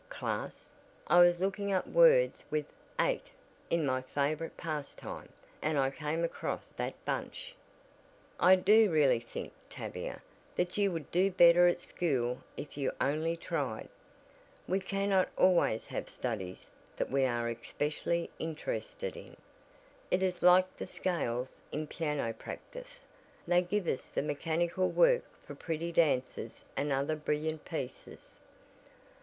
class? I was looking up words with 'ate' in my favorite pastime, and I came across that bunch." "I do really think, Tavia, that you would do better at school if you only tried. We cannot always have studies that we are especially interested in. It is like the scales in piano practice, they give us the mechanical work for pretty dances and other brilliant pieces."